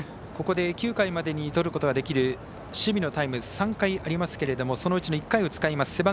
ここで９回までにとることができる守備のタイム３回ありますけどもそのうちの１回を使います。